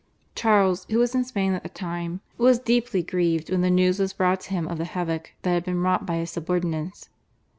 Charles, who was in Spain at the time, was deeply grieved when the news was brought to him of the havoc that had been wrought by his subordinates.